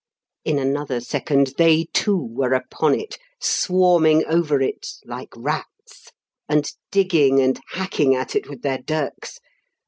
In another second they, too, were upon it swarming over it like rats, and digging and hacking at it with their dirks.